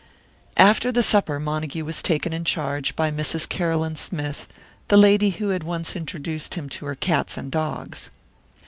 After the supper Montague was taken in charge by Mrs. Caroline Smythe, the lady who had once introduced him to her cats and dogs.